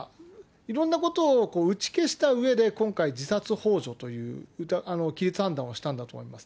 いろんなことを打ち消したうえで、今回、自殺ほう助という判断をしたんだと思います。